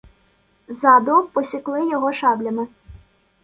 ззаду, посікли його шаблями.